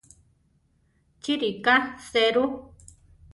Chi ríka serú?